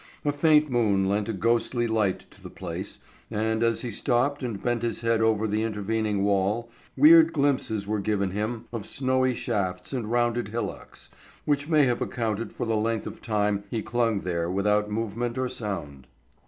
A faint moon lent a ghostly light to the place, and as he stopped and bent his head over the intervening wall, weird glimpses were given him of snowy shafts and rounded hillocks, which may have accounted for the length of time he clung there without movement or sound.